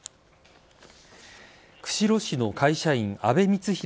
釧路市の会社員阿部光浩